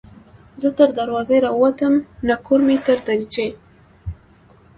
ـ زه تر دروازې راوتم نګور مې تر دريچې